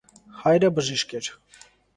Հայրը բժիշկ էր։